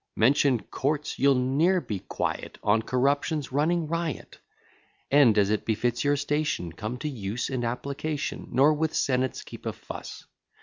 Mention courts! you'll ne'er be quiet On corruptions running riot. End as it befits your station; Come to use and application; Nor with senates keep a fuss.